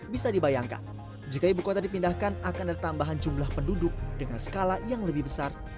bisa dibayangkan jika ibu kota dipindahkan akan ada tambahan jumlah penduduk dengan skala yang lebih besar